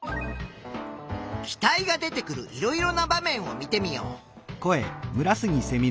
気体が出てくるいろいろな場面を見てみよう。